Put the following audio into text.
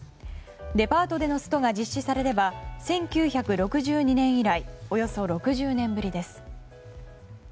デパートでのストが実施されれば１９６２年以来およそ６０年ぶりです。